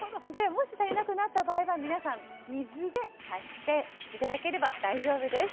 もし足りなくなった場合は皆さん水で足して頂ければ大丈夫です。